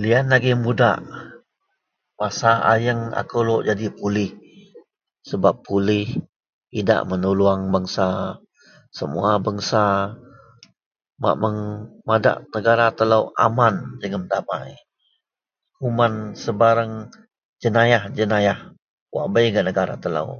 Liyan agei mudak masa ayeng akou lok nyadi pulih sebap pulih idak menuluong mangsa semua bangsa bak madak negara telou aman jegem damai kuman sebareng jenayah-jenayah wak bei gak negara telou